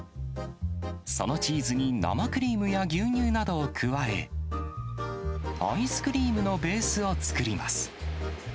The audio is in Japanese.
そのチーズに生クリームや牛乳などを加え、アイスクリームのベースを作ります。